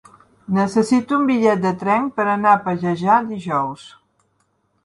Necessito un bitllet de tren per anar a Pallejà dijous.